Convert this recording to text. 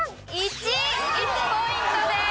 １ポイントです。